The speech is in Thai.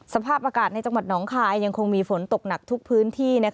สภาพอากาศในจังหวัดหนองคายยังคงมีฝนตกหนักทุกพื้นที่